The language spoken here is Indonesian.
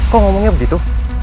kok ngomongnya begitu